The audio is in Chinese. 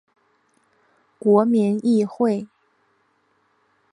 国民议会。